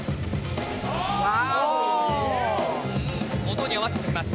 音に合わせてきます。